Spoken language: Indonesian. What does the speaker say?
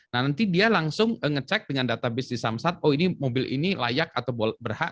nah nanti dia langsung ngecek dengan database di samsat oh ini mobil ini layak atau berhak